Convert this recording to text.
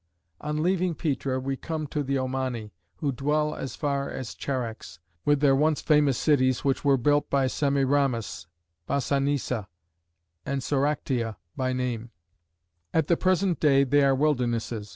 On lea\ing Petra we come to the Omani,^* who dwell as far as Charax, with their once famous cities which were built by Semiramis, Besannisa and Soractia by name ; at the present day they are wildernesses.